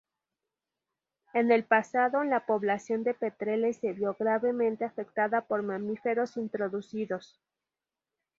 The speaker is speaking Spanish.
En el pasado, la población de petreles se vio gravemente afectada por mamíferos introducidos.